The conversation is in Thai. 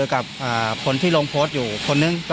เขาเล่าหน่อยนะ